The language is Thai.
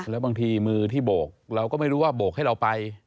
แล้วบางทีมือที่โบกเราก็ไม่รู้ว่าโบกให้เราไป